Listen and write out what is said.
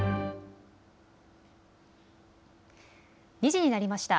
２時になりました。